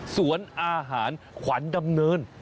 สวนอาหารขวัญดำเนิน